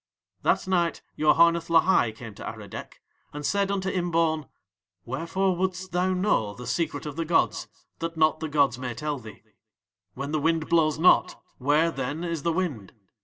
That night Yoharneth Lahai came to Aradec, and said unto Imbaun: "Wherefore wouldst thou know the secret of the gods that not the gods may tell thee? "When the wind blows not, where, then, is the wind?